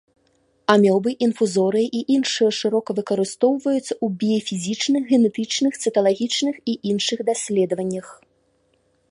Амёбы, інфузорыі і іншыя шырока выкарыстоўваюцца ў біяфізічных, генетычных, цыталагічных і іншых даследаваннях.